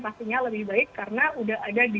pastinya lebih baik karena udah ada di